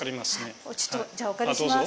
じゃあお借りします。